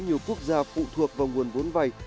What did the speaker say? nhiều quốc gia phụ thuộc vào nguồn vốn vay